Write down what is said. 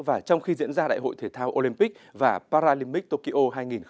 và trong khi diễn ra đại hội thể thao olympic và paralympic tokyo hai nghìn hai mươi